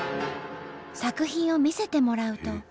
作品を見せてもらうと。